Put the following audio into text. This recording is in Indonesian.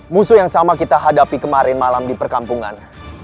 musuh yang sama kita hadapi kemarin malam di perkampungan